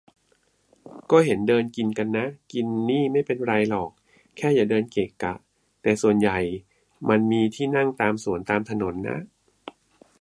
ก็เห็นเดินกินกันนะ กินนี่ไม่เป็นไรหรอกแค่อย่าเดินเกะกะ แต่ส่วนใหญ่มันมีที่นั่งตามสวน ตามถนนนะ